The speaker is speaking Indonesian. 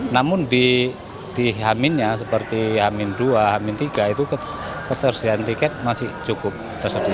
namun di h dua seperti h tiga itu ketersediaan tiket masih cukup tersedia